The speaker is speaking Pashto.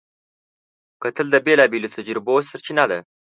کتل د بېلابېلو تجربو سرچینه ده